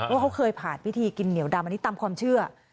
ว่าเขาเคยผ่านพิธีกินเหนียวดำอันนี้ตามความเชื่อ